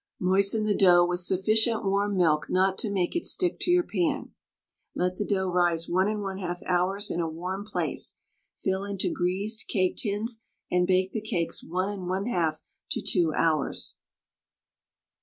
Moisten the dough with sufficient warm milk not to make it stick to your pan. Let the dough rise 1 1/2 hours in a warm place, fill into greased cake tins and bake the cakes 1 1/2 to 2 hours.